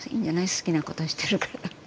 好きなことしてるから。